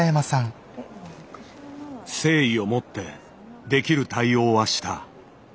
誠意を持ってできる対応はした。